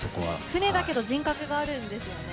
船だけど人格があるんですよね。